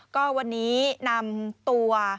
ก็วันนี้นำตัว